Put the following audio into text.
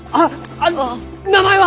あ名前は！？